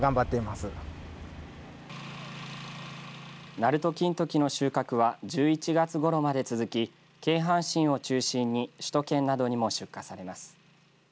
なると金時の収穫は１１月ごろまで続き京阪神を中心に首都圏などにも出荷されます。